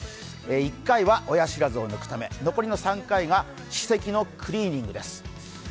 １回は親知らずを抜くため、残りの３回は歯石のクリーニングです。